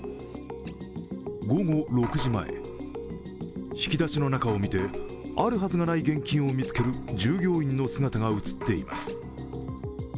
午後６時前、引き出しの中を見てあるはずがない現金を見つける従業員の姿が映っています。